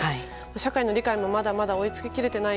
社会の理解もまだまだ追いつけていない